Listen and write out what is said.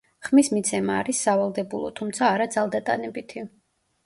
ხმის მიცემა არის სავალდებულო, თუმცა არა ძალდატანებითი.